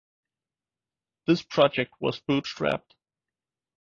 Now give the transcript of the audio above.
This project was bootstrapped